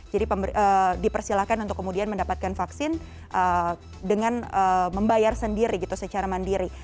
jadi dipersilahkan untuk kemudian mendapatkan vaksin dengan membayar sendiri gitu secara mandiri